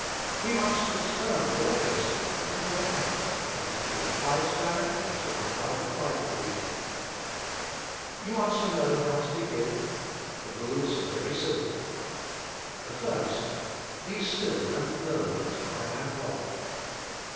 We want to turn all this to practical ac The Life and the Light 93 count and to apply it directly to our private Bible reading. You want to know how to begin. The rules are very simple. The first :" Be still and know that I am God.''